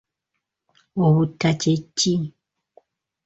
Obutta kye ki?